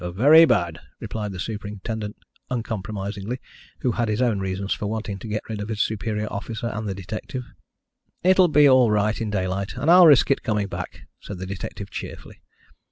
"Very bad," replied the superintendent uncompromisingly, who had his own reasons for wanting to get rid of his superior officer and the detective. "It will be all right in daylight, and I'll risk it coming back," said the detective cheerfully.